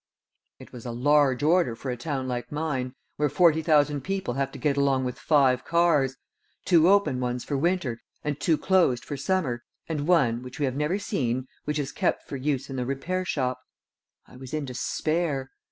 It was a large order for a town like mine, where forty thousand people have to get along with five cars two open ones for winter and two closed for summer, and one, which we have never seen, which is kept for use in the repair shop. I was in despair.